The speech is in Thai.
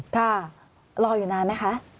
ค่ะรออยู่นานไหมคะ